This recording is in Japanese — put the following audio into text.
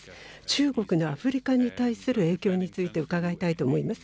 中国のアフリカに対する影響について、伺いたいと思います。